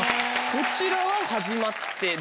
こちらは始まってる？